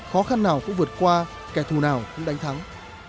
khó khăn nào cũng vượt qua kẻ thù nào cũng đánh thắng